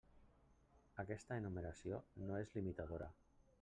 Aquesta enumeració no és limitadora.